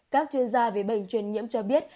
các chuyên gia về bệnh truyền nhiễm cho biết